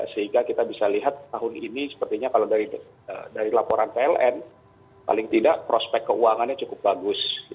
sehingga kita bisa lihat tahun ini sepertinya kalau dari laporan pln paling tidak prospek keuangannya cukup bagus